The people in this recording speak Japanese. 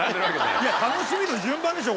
いや楽しみの順番でしょ。